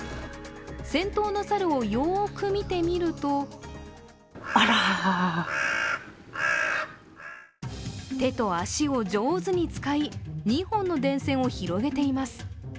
先頭の猿をよく見てみると手と足を上手に使い２本の電線を広げています。